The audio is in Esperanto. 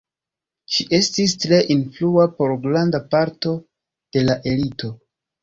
Ŝi estis tre influa por granda parto de la elito.